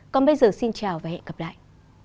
còn bây giờ xin chào và hẹn gặp lại